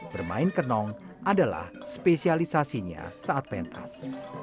bermain kenong adalah spesialisasinya saat pentas